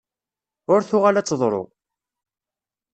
Ur tuɣal ad teḍṛu!